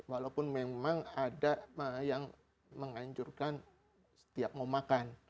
walaupun memang ada yang menganjurkan setiap mau makan